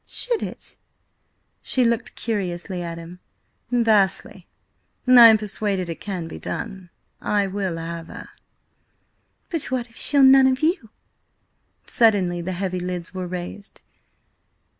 "Should it?" She looked curiously at him. "Vastly. And I am persuaded it can be done. I will have her." "But what if she'll none of you?" Suddenly the heavy lids were raised.